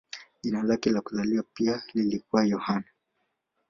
Jina lake la kuzaliwa pia lilikuwa Yohane.